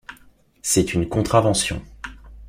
C’est une contravention.